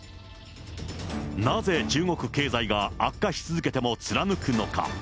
なぜ中国経済が悪化し続けても貫くのか。